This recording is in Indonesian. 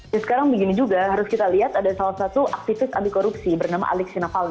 nah sekarang begini juga harus kita lihat ada salah satu aktivis anti korupsi bernama alexi navali